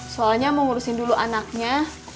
soalnya mau ngurusin dulu anaknya